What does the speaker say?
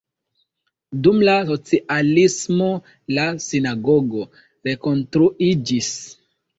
Dum la socialismo la sinagogo rekonstruiĝis.